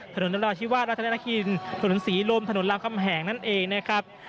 นราธิวาสราชนครินถนนศรีลมถนนรามคำแหงนั่นเองนะครับ